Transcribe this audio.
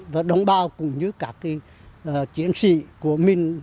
và đồng bào cũng như các chiến sĩ của mình